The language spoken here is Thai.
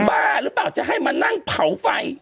บ้าหรือเปล่าจะให้มานั่งเผาไฟ